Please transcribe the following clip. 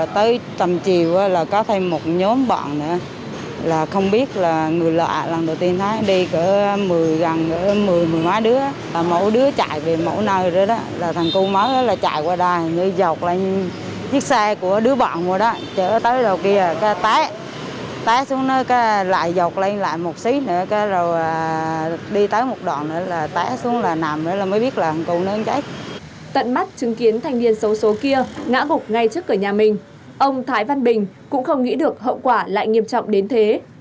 tận mắt chứng kiến thanh niên xấu xố kia ngã ngục ngay trước cửa nhà mình ông thái văn bình cũng không nghĩ được hậu quả lại nghiêm trọng đến thế